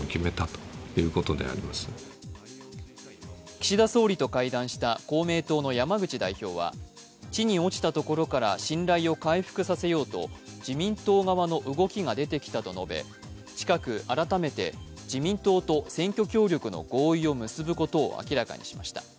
岸田総理と会談した公明党の山口代表は地に落ちたところから信頼を回復させようと、自民党側の動きが出てきたと述べ、近く改めて自民党と選挙協力の合意を結ぶことを明らかにしました。